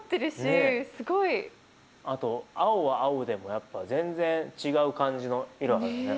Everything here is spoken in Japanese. あと青は青でもやっぱ全然違う感じの色だからね。